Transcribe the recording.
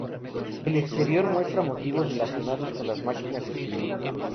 El exterior muestra motivos relacionados con las máquinas de escribir.